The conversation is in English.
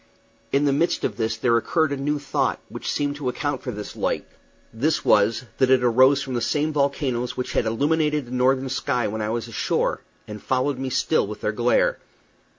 In the midst of this there occurred a new thought, which seemed to account for this light this was, that it arose from these same volcanoes which had illuminated the northern sky when I was ashore, and followed me still with their glare.